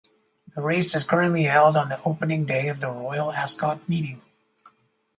The race is currently held on the opening day of the Royal Ascot meeting.